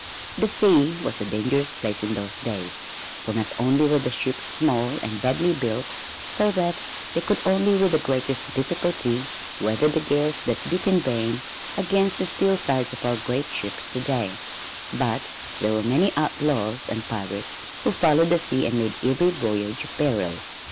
The sea was a dangerous place in those days, for not only were the ships small and badly built so that they could only with the greatest difficulty weather the gales that beat in vain against the steel sides of our great ships to day, but there were many outlaws and pirates who followed the sea and made every voyage a peril.